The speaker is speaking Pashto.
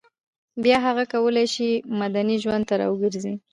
بیا هغه کولای شي مدني ژوند ته راوګرځي